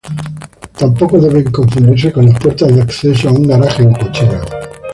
Tampoco deben confundirse con las puertas de acceso a un garaje o cochera.